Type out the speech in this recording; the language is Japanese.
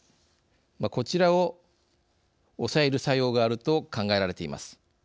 こちらを抑える作用があると考えられています。